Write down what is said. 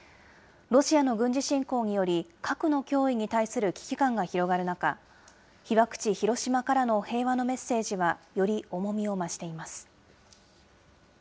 ロシアの軍事侵攻により、核の脅威に対する危機感が広がる中、被爆地、広島からの平和のメッセージはより重みを増しています。